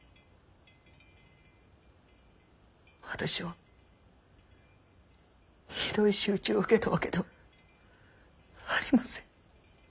私はひどい仕打ちを受けたわけではありません。